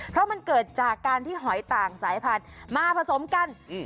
เพราะมันเกิดจากการที่หอยต่างสายพันธุ์มาผสมกันอืม